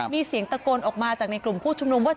มีเสียงตะโกนออกมาจากในกลุ่มผู้ชุมนุมว่า